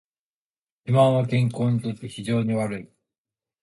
肥満は健康にとって非常に悪い